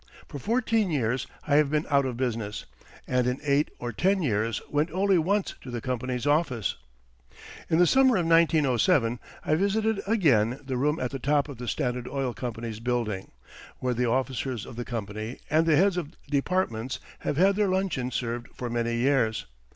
For fourteen years I have been out of business, and in eight or ten years went only once to the company's office. In the summer of 1907 I visited again the room at the top of the Standard Oil Company's building, where the officers of the company and the heads of departments have had their luncheon served for many years.